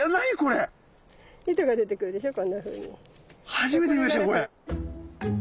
初めて見ましたよこれ！